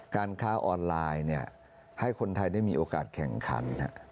การค้าออนไลน์ให้คนไทยได้มีโอกาสแข่งขัน